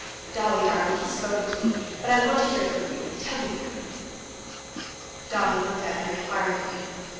"Dolly, darling, he has spoken to me, but I want to hear it from you: tell me about it." Dolly looked at her inquiringly.